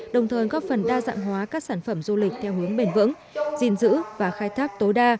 đồng thời góp phần đa dạng hóa các sản phẩm du lịch theo hướng bền vững gìn giữ và khai thác tối đa